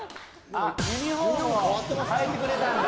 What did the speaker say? ユニフォームを替えてくれたんだ。